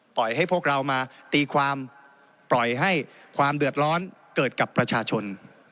ปล่อยให้พวกเรามาตีความปล่อยให้ความเดือดร้อนเกิดกับประชาชน